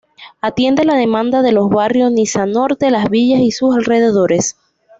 Atiende la demanda de los barrios Niza Norte, Las Villas y sus alrededores.